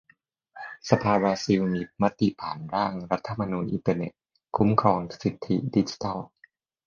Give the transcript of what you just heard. สภาบราซิลมีมติผ่านร่าง "รัฐธรรมนูญอินเทอร์เน็ต" คุ้มครองสิทธิดิจิทัล